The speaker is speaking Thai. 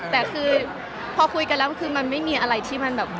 แต่คือพอคุยกันแล้วคือมันไม่มีอะไรที่มันแบบ